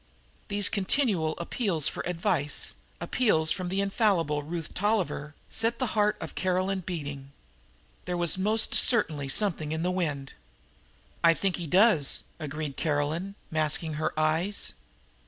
These continual appeals for advice, appeals from the infallible Ruth Tolliver, set the heart of Caroline beating. There was most certainly something in the wind. "I think he does," agreed Caroline, masking her eyes.